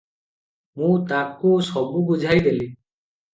ମୁଁ ତାକୁ ସବୁ ବୁଝାଇଦେଲି ।